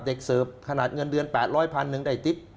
เสิร์ฟขนาดเงินเดือน๘๐๐พันหนึ่งได้ติ๊บ